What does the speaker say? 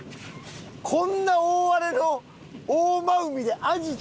こんな大荒れの大間海でアジ釣るん？